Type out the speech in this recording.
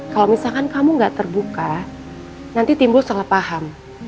kalau misalkan kamu nggak terbuka nanti timbul salah faham